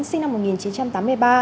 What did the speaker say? sinh năm một nghìn chín trăm tám mươi ba